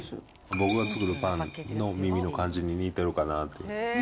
僕が作るパンの耳の感じに似てるかなと。